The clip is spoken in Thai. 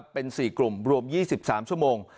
เป็น๔กลุ่มรวม๒๓ชั่วโมง